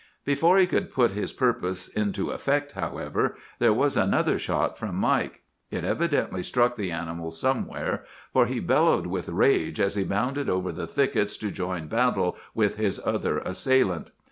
"Before he could put his purpose into effect, however, there was another shot from Mike. It evidently struck the animal somewhere, for he bellowed with rage as he bounded over the thickets to join battle with his other assailant.